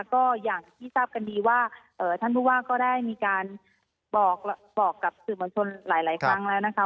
ก็อย่างที่ทราบกันดีว่าท่านผู้ว่าก็ได้มีการบอกกับสื่อมวลชนหลายครั้งแล้วนะคะ